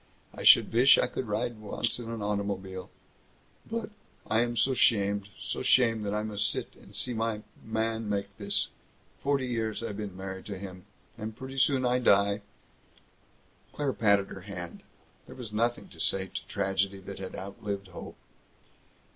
I should vish I could ride once in an automobile! But I am so 'shamed, so 'shamed that I must sit and see my Mann make this. Forty years I been married to him, and pretty soon I die " Claire patted her hand. There was nothing to say to tragedy that had outlived hope.